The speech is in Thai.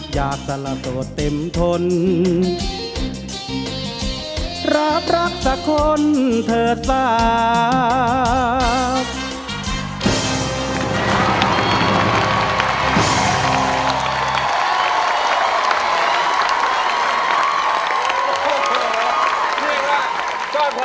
สละโดดเต็มทนรับรักสักคนเถิดปาก